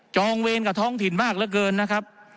องเวรกับท้องถิ่นมากเหลือเกินนะครับ